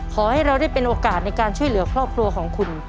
ขอให้เราได้เป็นโอกาสในการช่วยเหลือครอบครัวของคุณ